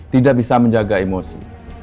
tidak bisa menjaga emosi